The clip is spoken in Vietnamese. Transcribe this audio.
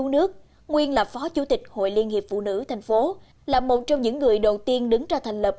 nguyên là phó chủ tịch hội liên hiệp phụ nữ tình phố là một trong những người đầu tiên đứng ra thành lập